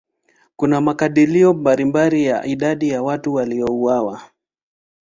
Kuna makadirio mbalimbali ya idadi ya watu waliouawa.